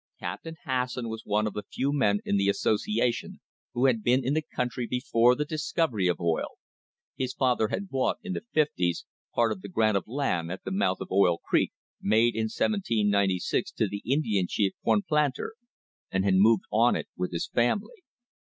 Captain Has son was one of the few men in the association who had been in the country before the discovery of oil. His father had bought, in the fifties, part of the grant of land at the mouth of Oil Creek, made in 1796 to the Indian chief Cornplanter, and had moved on it with his family.